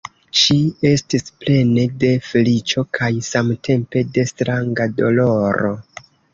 Ŝi estis plena de feliĉo kaj samtempe de stranga doloro.